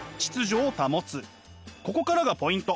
ここからがポイント。